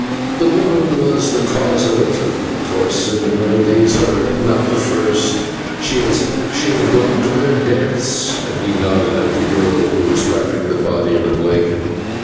The woman was the cause of it, of course, señor; these are not the first she has brought to their deaths," and he nodded at the girl who was wrapping the body in a blanket.